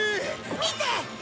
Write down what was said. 見て！